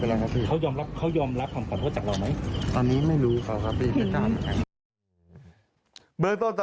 เพื่อยอมรับเขายอมรับขอแทนขอโทษจากเราไหมตอนนี้ไม่รู้ครับครับที่